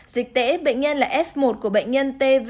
dịch tễ bệnh nhân là f một con của bệnh nhân tvk